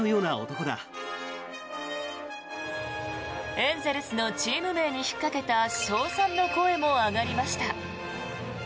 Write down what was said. エンゼルスのチーム名に引っかけた称賛の声も上がりました。